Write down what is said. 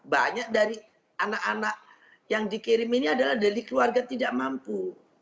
banyak dari anak anak yang dikirim ini adalah dari keluarga tidak mampu